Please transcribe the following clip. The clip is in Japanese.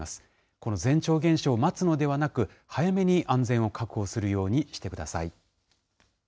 この前兆現象を待つのではなく、早めに安全を確保するようにしてください。